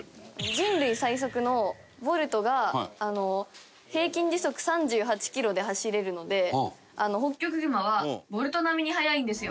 人類最速のボルトがあの平均時速３８キロで走れるのでホッキョクグマはボルト並みに速いんですよ。